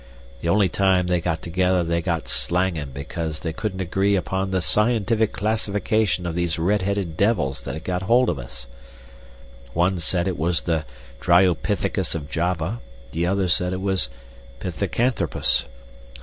The only time they got together they got slangin' because they couldn't agree upon the scientific classification of these red headed devils that had got hold of us. One said it was the dryopithecus of Java, the other said it was pithecanthropus.